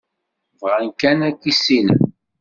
Bɣan kan ad k-issinen.